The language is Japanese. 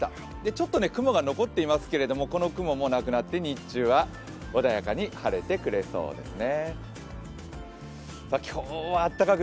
ちょっと雲が残っていますけれども、この雲もなくなって日中は穏やかに晴れてくれそうですね。